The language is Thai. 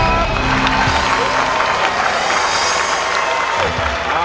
สู้ครับ